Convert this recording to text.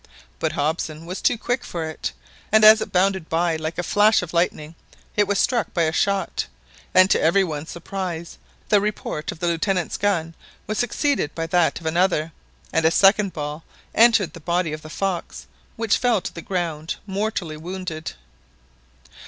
But Hobson was too quick for it; and as it bounded by like a flash of lightning, it was struck by a shot, and to every one's surprise, the report of the Lieutenant's gun was succeeded by that of another, and a second ball entered the body of the fox, which fell to the ground mortally wounded.